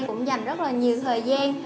cũng dành rất là nhiều thời gian